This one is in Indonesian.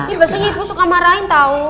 ini maksudnya ibu suka marahin tau